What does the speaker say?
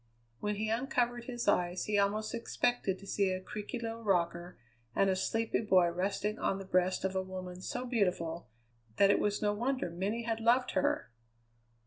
When he uncovered his eyes he almost expected to see a creaky little rocker and a sleepy boy resting on the breast of a woman so beautiful that it was no wonder many had loved her.